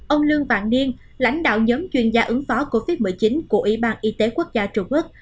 ông lương vạn niên lãnh đạo nhóm chuyên gia ứng phó covid một mươi chín của ủy ban y tế quốc gia trung quốc